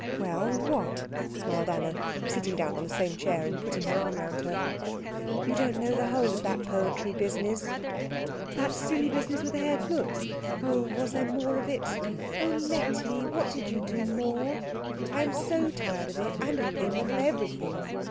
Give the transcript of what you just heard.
"Well, what?" smiled Anna, sitting down on the same chair and putting her arm round her. "You don't know the whole of that poetry business." "That silly business with Herr Klutz? Oh, was there more of it? Oh, Letty, what did you do more? I am so tired of it, and of him, and of everything.